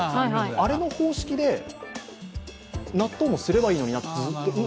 あれの方式で、納豆もすればいいのになって、ずっと。